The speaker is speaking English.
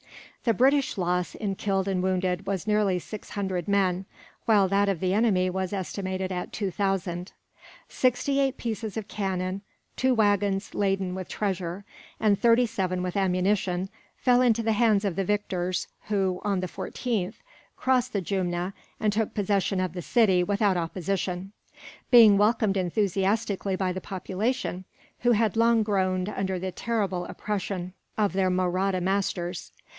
The British loss, in killed and wounded, was nearly six hundred men; while that of the enemy was estimated at two thousand. Sixty eight pieces of cannon, two waggons laden with treasure, and thirty seven with ammunition fell into the hands of the victors who, on the 14th, crossed the Jumna, and took possession of the city without opposition; being welcomed enthusiastically by the population, who had long groaned under the terrible oppression of their Mahratta masters.